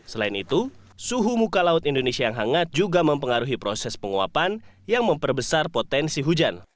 selain itu suhu muka laut indonesia yang hangat juga mempengaruhi proses penguapan yang memperbesar potensi hujan